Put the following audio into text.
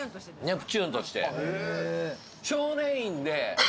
ネプチューンとして。